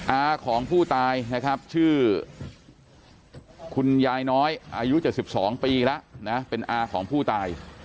อาของผู้ตายนะครับชื่อคุณยายน้อยอายุ๗๒ปีแล้วนะเป็นอาของผู้ตาย